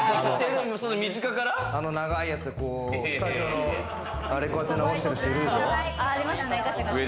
あの長いやつで、スタジオのあれ、こうやって直してる人いるでしょ。